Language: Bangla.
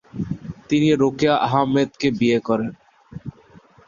তিনি রোকেয়া আহমেদকে বিয়ে করেন।